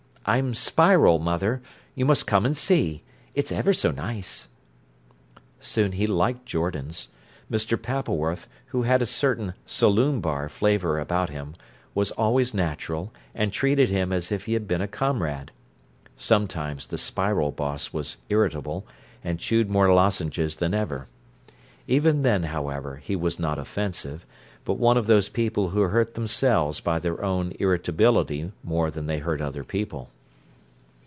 I'm Spiral, mother; you must come and see. It's ever so nice." Soon he liked Jordan's. Mr. Pappleworth, who had a certain "saloon bar" flavour about him, was always natural, and treated him as if he had been a comrade. Sometimes the "Spiral boss" was irritable, and chewed more lozenges than ever. Even then, however, he was not offensive, but one of those people who hurt themselves by their own irritability more than they hurt other people.